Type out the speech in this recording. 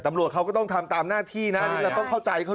ตำรวจเขาก็ต้องทำตามหน้าที่นะนี่เราต้องเข้าใจเขา